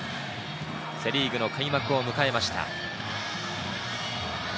セ・リーグの開幕を迎えました。